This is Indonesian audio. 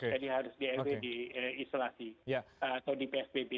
jadi harus di rw diisolasi atau di psbb